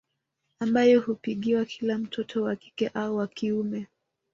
Ambayo hupigiwa kila mtoto wa kike au wa kiume